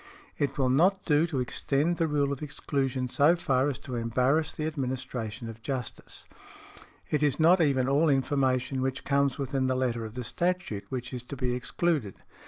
"It will not do to extend the rule of exclusion so far as to embarrass the administration of justice. It is not even all information which comes within the letter of the statute which is to be excluded.